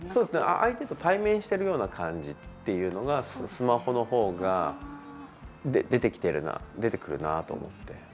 相手と対面してるような感じっていうのがスマホの方が出てくるなと思って。